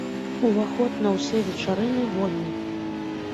Уваход на ўсе вечарыны вольны.